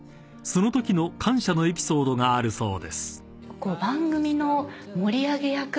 ［そのときの感謝のエピソードがあるそうです］